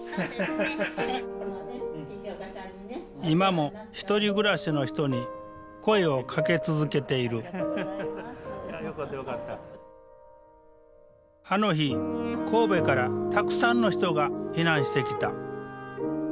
今も１人暮らしの人に声をかけ続けているあの日神戸からたくさんの人が避難してきた。